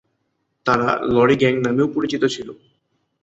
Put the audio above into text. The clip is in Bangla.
তারা লরি গ্যাং নামেও পরিচিত ছিল।